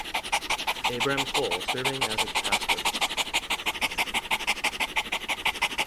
Abram Cole serving as its pastor.